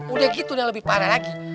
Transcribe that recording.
udah gitu udah lebih parah lagi